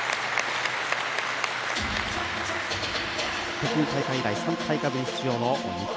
北京大会以来３大会ぶりの日本。